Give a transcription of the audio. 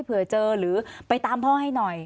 เผื่อเจอหรือไปตามพ่อให้หน่อย